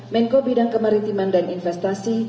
menko bidang kemaritiman dan investasi